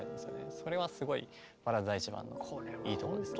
それはすごい「バラード第１番」のいいところですね。